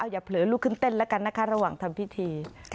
เผลอลุกขึ้นเต้นแล้วกันนะคะระหว่างทำพิธี